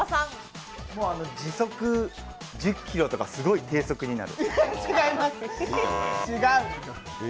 時速１０キロとかすごい低速になる。